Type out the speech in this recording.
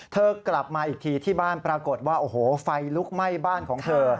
กลับมาอีกทีที่บ้านปรากฏว่าโอ้โหไฟลุกไหม้บ้านของเธอ